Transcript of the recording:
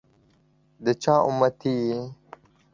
دچا اُمتي يی؟